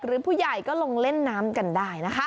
หรือผู้ใหญ่ก็ลงเล่นน้ำกันได้นะคะ